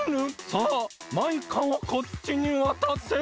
さあマイカをこっちにわたせ！